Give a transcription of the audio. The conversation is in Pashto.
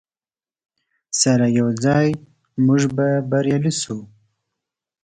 سره یوځای موږ به بریالي شو.